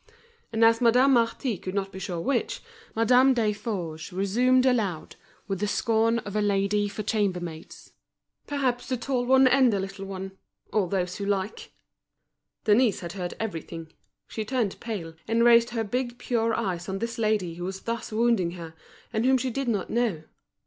And as Madame Marty could not be sure which, Madame Desforges resumed aloud, with the scorn of a lady for chambermaids: "Perhaps the tall one and the little one; all those who like!" Denise had heard everything. She turned pale, and raised her big, pure eyes on this lady who was thus wounding her, and whom she did not know.